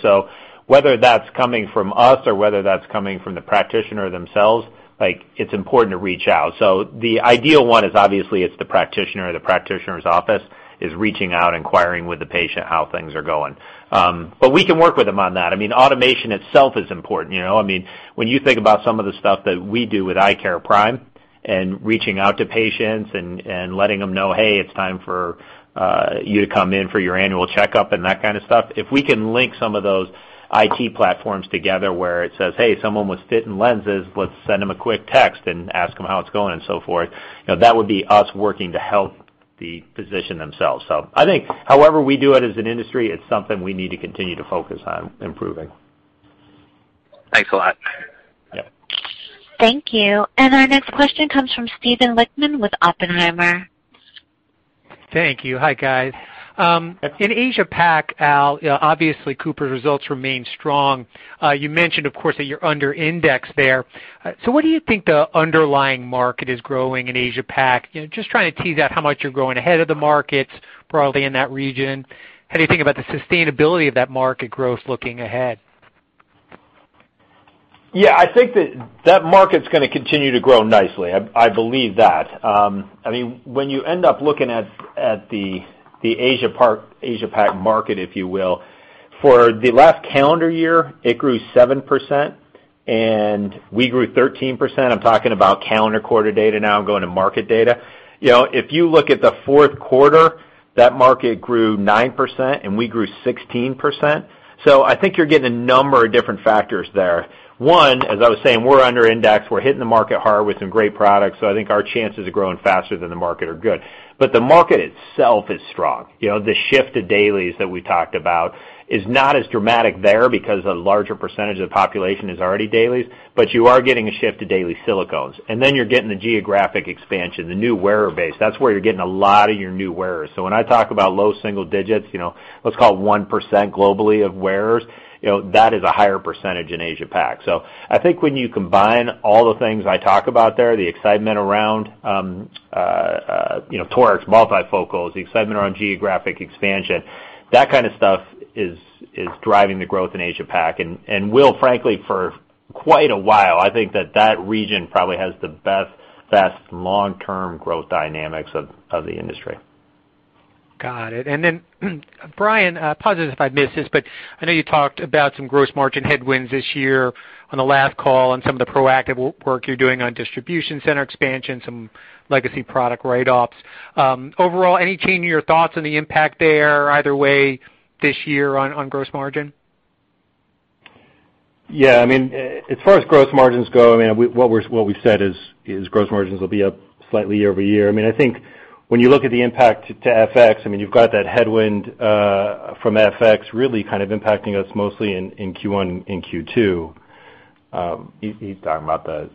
Whether that's coming from us or whether that's coming from the practitioner themselves, it's important to reach out. The ideal one is obviously it's the practitioner or the practitioner's office is reaching out, inquiring with the patient how things are going. We can work with them on that. Automation itself is important. When you think about some of the stuff that we do with EyeCare Prime and reaching out to patients and letting them know, "Hey, it's time for you to come in for your annual checkup," and that kind of stuff. If we can link some of those IT platforms together where it says, "Hey, someone was fit in lenses, let's send them a quick text and ask them how it's going and so forth." That would be us working to help the physician themselves. I think however we do it as an industry, it's something we need to continue to focus on improving. Thanks a lot. Yeah. Thank you. Our next question comes from Steven Lichtman with Oppenheimer. Thank you. Hi, guys. In Asia Pac, Al, obviously Cooper's results remain strong. You mentioned, of course, that you're under indexed there. What do you think the underlying market is growing in Asia Pac? Just trying to tease out how much you're growing ahead of the markets broadly in that region. How do you think about the sustainability of that market growth looking ahead? Yeah, I think that market's going to continue to grow nicely. I believe that. When you end up looking at the Asia Pac market, if you will, for the last calendar year, it grew 7%, and we grew 13%. I'm talking about calendar quarter data now. I'm going to market data. If you look at the fourth quarter, that market grew 9% and we grew 16%. I think you're getting a number of different factors there. One, as I was saying, we're under indexed. We're hitting the market hard with some great products. I think our chances of growing faster than the market are good. The market itself is strong. The shift to dailies that we talked about is not as dramatic there because a larger percentage of the population is already dailies, but you are getting a shift to daily silicones. You're getting the geographic expansion, the new wearer base. That's where you're getting a lot of your new wearers. When I talk about low single digits, let's call it 1% globally of wearers, that is a higher percentage in Asia Pac. I think when you combine all the things I talk about there, the excitement around torics, multifocals, the excitement around geographic expansion. That kind of stuff is driving the growth in Asia Pac and will frankly for quite a while. I think that region probably has the best long-term growth dynamics of the industry. Got it. Then, Brian, pause if I miss this, I know you talked about some gross margin headwinds this year on the last call and some of the proactive work you're doing on distribution center expansion, some legacy product write-offs. Overall, any change in your thoughts on the impact there either way this year on gross margin? Yeah. As far as gross margins go, what we've said is gross margins will be up slightly year over year. I think when you look at the impact to FX, you've got that headwind from FX really impacting us mostly in Q1 and Q2. He's talking about the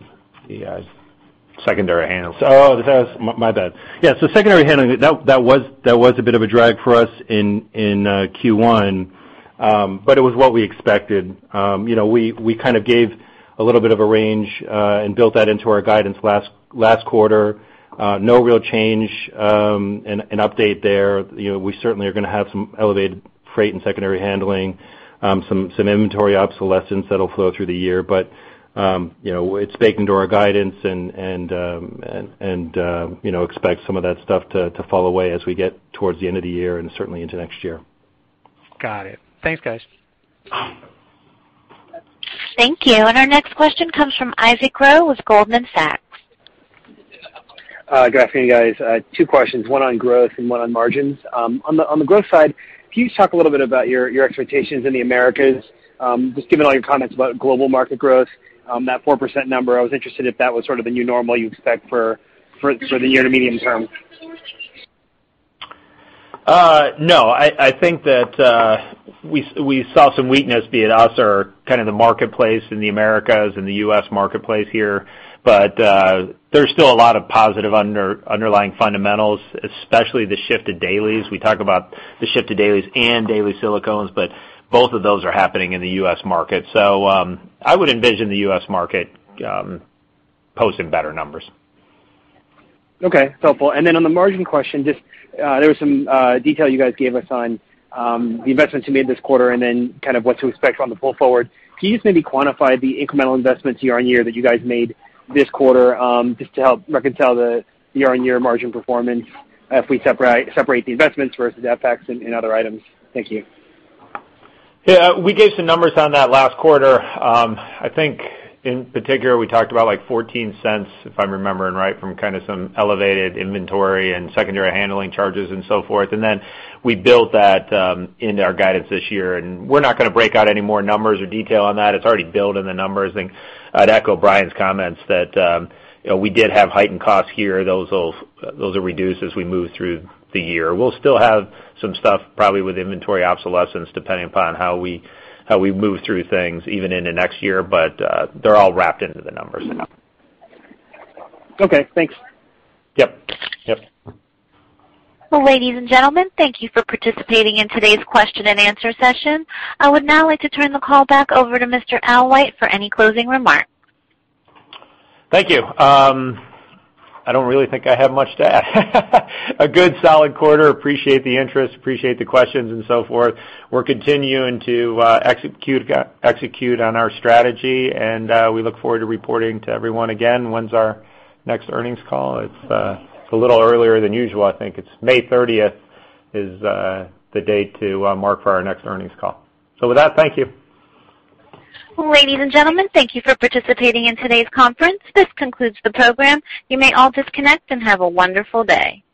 secondary handling. Oh, my bad. Secondary handling, that was a bit of a drag for us in Q1, but it was what we expected. We gave a little bit of a range and built that into our guidance last quarter. No real change in update there. We certainly are going to have some elevated freight and secondary handling, some inventory obsolescence that'll flow through the year. It's baked into our guidance and expect some of that stuff to fall away as we get towards the end of the year and certainly into next year. Got it. Thanks, guys. Thank you. Our next question comes from Issie Kirby with Goldman Sachs. Good afternoon, guys. Two questions, one on growth and one on margins. On the growth side, can you just talk a little bit about your expectations in the Americas? Just given all your comments about global market growth, that 4% number, I was interested if that was sort of the new normal you expect for the year to medium term. I think that we saw some weakness, be it us or the marketplace in the Americas and the U.S. marketplace here. There's still a lot of positive underlying fundamentals, especially the shift to dailies. We talk about the shift to dailies and daily silicones, but both of those are happening in the U.S. market. I would envision the U.S. market posting better numbers. Okay. Helpful. On the margin question, there was some detail you guys gave us on the investments you made this quarter, and then what to expect on the pull forward. Can you just maybe quantify the incremental investments year-on-year that you guys made this quarter, just to help reconcile the year-on-year margin performance if we separate the investments versus FX and other items? Thank you. We gave some numbers on that last quarter. I think in particular, we talked about like $0.14, if I'm remembering right, from some elevated inventory and secondary handling charges and so forth. We built that into our guidance this year. We're not going to break out any more numbers or detail on that. It's already built in the numbers. I'd echo Brian's comments that we did have heightened costs here. Those will reduce as we move through the year. We'll still have some stuff probably with inventory obsolescence, depending upon how we move through things even into next year. They're all wrapped into the numbers. Okay, thanks. Yep. Ladies and gentlemen, thank you for participating in today's question and answer session. I would now like to turn the call back over to Mr. Albert White for any closing remarks. Thank you. I don't really think I have much to add. A good solid quarter. Appreciate the interest, appreciate the questions and so forth. We're continuing to execute on our strategy, and we look forward to reporting to everyone again. When's our next earnings call? It's a little earlier than usual, I think. It's May 30th is the date to mark for our next earnings call. With that, thank you. Ladies and gentlemen, thank you for participating in today's conference. This concludes the program. You may all disconnect, have a wonderful day.